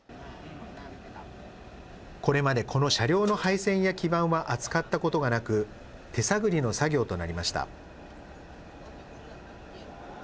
これまでこの車両の配線や基板は扱ったことがなく、手探りの作業となりました。